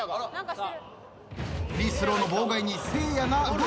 フリースローの妨害にせいやが動きだした。